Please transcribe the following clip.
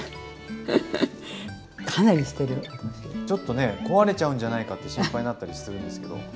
ちょっとね壊れちゃうんじゃないかって心配になったりするんですけど。